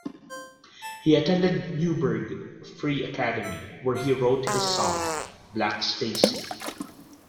He attended Newburgh Free Academy, where he wrote his song "Black Stacey".